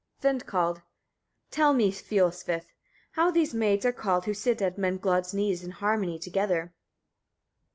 Vindkald. 38. Tell me, Fiolsvith! etc., how those maids are called, who sit at Menglod's knees in harmony together?